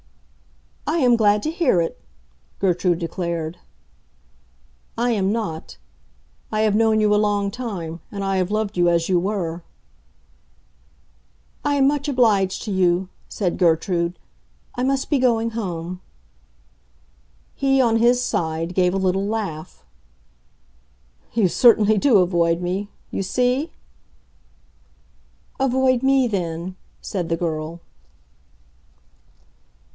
"I am glad to hear it," Gertrude declared. "I am not. I have known you a long time, and I have loved you as you were." "I am much obliged to you," said Gertrude. "I must be going home." He on his side, gave a little laugh. "You certainly do avoid me—you see!" "Avoid me, then," said the girl.